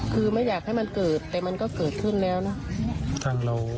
คือไม่อยากให้มันเกิดแต่มันก็เกิดขึ้นแล้วนะ